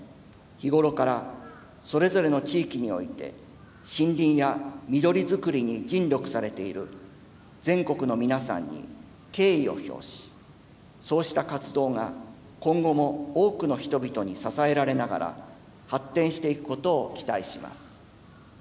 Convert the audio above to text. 日頃からそれぞれの地域において森林や緑づくりに尽力されている全国の皆さんに敬意を表しそうした活動が今後も多くの人々に支えられながら発展していくことを期待します。